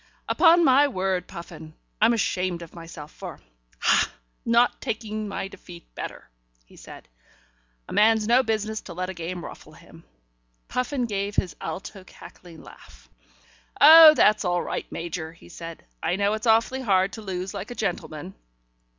"Upon my word, Puffin, I'm ashamed of myself for ha! for not taking my defeat better," he said. "A man's no business to let a game ruffle him." Puffin gave his alto cackling laugh. "Oh, that's all right, Major," he said. "I know it's awfully hard to lose like a gentleman."